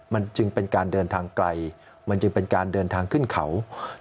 มันจึงเป็นการเดินทางไกลมันจึงเป็นการเดินทางขึ้นเขา